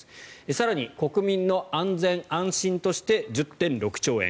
更に国民の安全安心として１０．６兆円。